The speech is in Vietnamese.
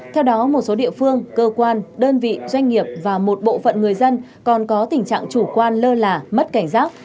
theo đó một số địa phương cơ quan đơn vị doanh nghiệp và một bộ phận người dân còn có tình trạng chủ quan lơ là mất cảnh giác